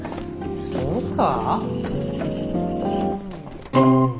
そうすか？